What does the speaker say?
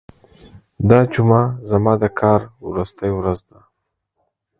دا جمعه زما د کار وروستۍ ورځ ده.